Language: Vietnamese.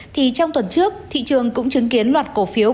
thì trong tuần trước thị trường cũng chứng kiến loạt cổ phiếu